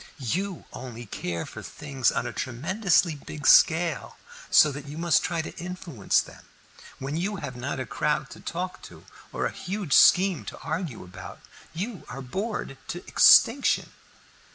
You only care for things on a tremendously big scale, so that you may try to influence them. When you have not a crowd to talk to, or a huge scheme to argue about, you are bored to extinction."